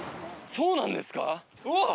そうなんですか？